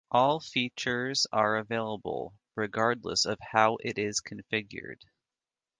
All features are available regardless of how it is configured.